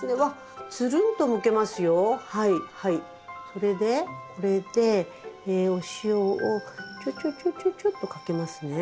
それでこれでえお塩をちょちょちょちょちょとかけますね。